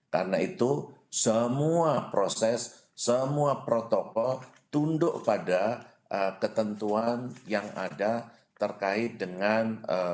karena itu semua proses semua protokol tunduk pada ketentuan yang ada terkait dengan